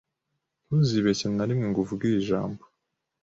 Ntuzibeshye na rimwe ngo uvuge iri ijambo